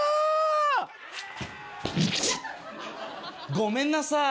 ごめんなさい